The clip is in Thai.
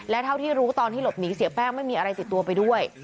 และเท่าที่รู้ตอนที่หลบหนีเสียแป้งไม่มีอะไรติดตัวไปด้วย